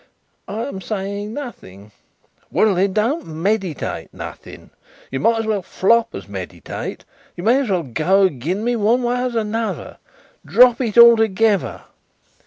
"I am saying nothing." "Well, then; don't meditate nothing. You might as well flop as meditate. You may as well go again me one way as another. Drop it altogether."